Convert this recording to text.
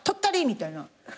みたいな。